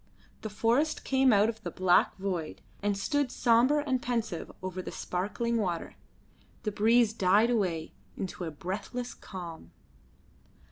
The forest came out of the black void and stood sombre and pensive over the sparkling water. The breeze died away into a breathless calm.